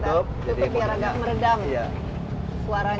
suaranya enggak terlalu